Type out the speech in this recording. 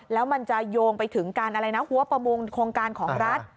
แล้วมันจะโยงไปถึงการอะไรนะหัวประมงโครงการของรัฐ